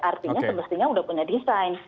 artinya semestinya sudah punya desain